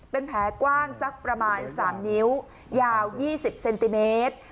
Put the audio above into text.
เป็นแผลกว้างสักประมาณ๓นิ้วยาว๒๐เซนติเมตร